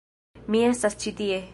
Mi estas ĉi tie